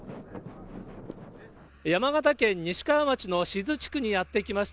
山形県西川町の志津地区にやって来ました。